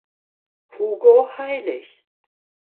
Hugo heilig.